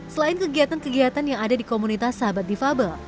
selain kegiatan kegiatan yang ada di komunitas sahabat difabel